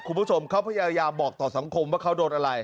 คุณผู้ชมเขาพยายามบอกต่อสังคมว่าเขาโดนอะไร